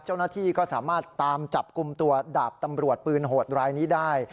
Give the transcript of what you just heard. เจ้าหน้าที่ก็สามารถตามจับกลุ่มตัวดาบตำรวจปืนโหดรายนี้ได้